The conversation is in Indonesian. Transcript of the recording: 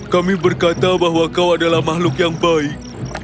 kami berkata bahwa kau adalah makhluk yang baik